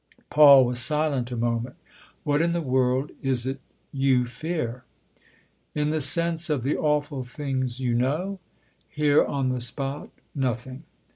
Paul was silent a moment. " What in the world is it you fear ?" 310 THE OTHER HOUSE " In the sense of the awful things you know ? Here on the spot nothing.